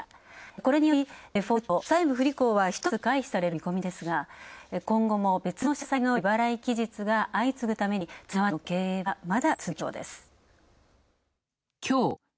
これにより、デフォルト＝債務不履行はひとまず回避される見込みですが今後も別の社債の利払い期日が相次ぐために、綱渡りの経営はまだ続きそうです。